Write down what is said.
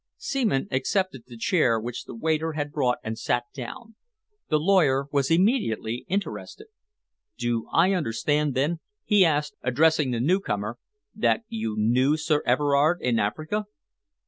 Seaman accepted the chair which the waiter had brought and sat down. The lawyer was immediately interested. "Do I understand, then," he asked, addressing the newcomer, "that you knew Sir Everard in Africa?"